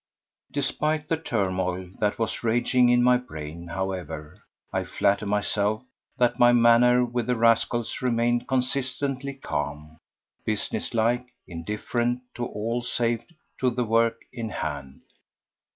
Despite the turmoil that was raging in my brain, however, I flatter myself that my manner with the rascals remained consistently calm, businesslike, indifferent to all save to the work in hand.